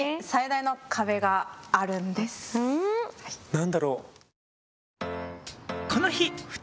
何だろう？